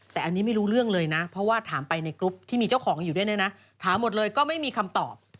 แต่อันนี้ไม่รู้เรื่องเลยนะเพราะว่าถามไปในกรุ๊ปที่มีเจ้าของอยู่ด้วยเนี่ยนะถามหมดเลยก็ไม่มีคำตอบ